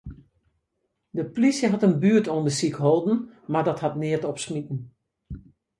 De polysje hat in buertûndersyk hâlden, mar dat hat neat opsmiten.